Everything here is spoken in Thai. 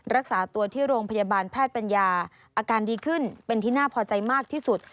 รักษาตัวที่โรงพยาบาลแพทย์ปัญญาอาการดีขึ้นเป็นที่น่าพอใจมากที่สุด